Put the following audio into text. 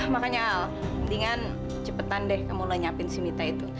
makanya al mendingan cepetan deh kamu nganyapin si mita itu